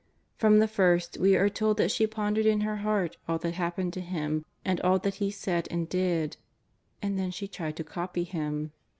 From the first we are told that she pondered in her heart all that happened to Him and all that He said and did. And then she tried to copy Him.